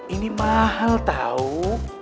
ini mahal tau